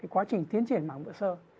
quá trình tiến triển mảng vữa sơ